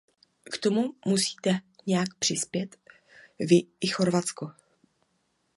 K tomu musíte nějak přispět vy i Chorvatsko.